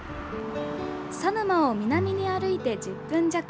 砂沼を南に歩いて１０分弱。